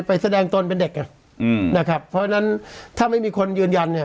แสดงตนเป็นเด็กอ่ะอืมนะครับเพราะฉะนั้นถ้าไม่มีคนยืนยันเนี่ย